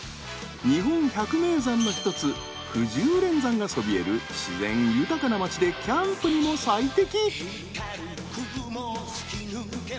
日本百名山の一つくじゅう連山がそびえる自然豊かな町でキャンプにも最適。